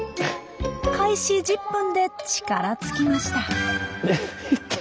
開始１０分で力尽きました。